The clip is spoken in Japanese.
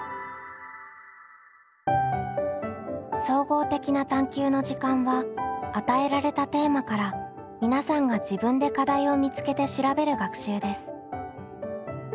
「総合的な探究の時間」は与えられたテーマから皆さんが自分で課題を見つけて調べる学習です。